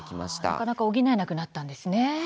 なかなか補えなくなったんですね。